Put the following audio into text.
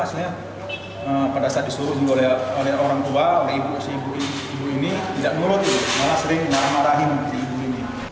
hasilnya pada saat disuruh oleh orang tua ribu ribu ini tidak menurut malah sering menang marahin ibu ini